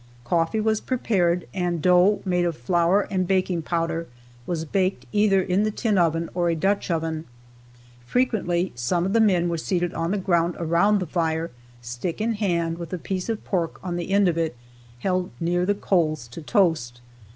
Coffee was prepared, and dough made of flour and baking powder was baked either in the tin oven or a Dutch oven. Frequently some of the men were seated on the ground around the fire, stick in hand with a piece of pork on the end of it, held near the coals to toast.